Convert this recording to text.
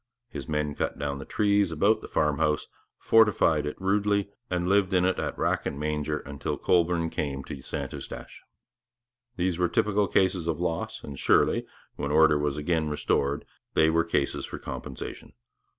His men cut down the trees about the farm house, fortified it rudely, and lived in it at rack and manger until Colborne came to St Eustache. These were typical cases of loss, and surely, when order was again restored, they were cases for compensation.